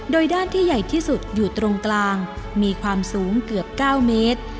โดยด้านที่ใหญ่ที่สุดอยู่ตรงกลางมีความสูงเกือบ๙เมตร